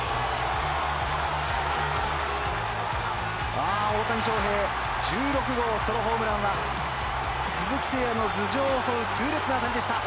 ああ大谷翔平１６号ソロホームランは鈴木誠也の頭上を襲う痛烈な当たりでした。